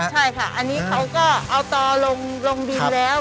ใช่ค่ะอันนี้เขาก็เอาต่อลงดินแล้ว